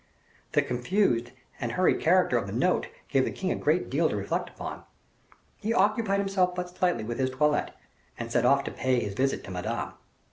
The confused and hurried character of the note gave the king a great deal to reflect upon. He occupied himself but slightly with his toilette, and set off to pay his visit to Madame.